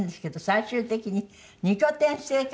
最終的に２拠点生活？